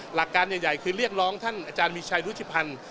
หลักการใหญ่คือเรียกร้องท่านอาจารย์มีชัยรุธิพันธ์